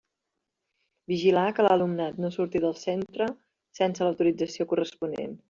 Vigilar que l'alumnat no surti del centre sense l'autorització corresponent.